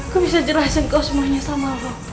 gue bisa jelasin kau semuanya sama lo